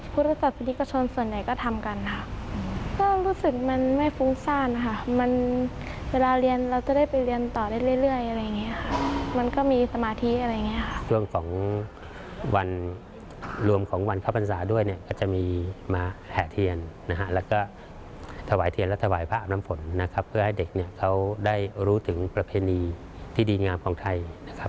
เป็นการเสริมสิริมงคลแก่ชีวิตและรักษาไว้ซึ่งประเพณีอันดีงามของชาวพุทธค่ะ